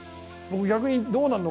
僕逆に。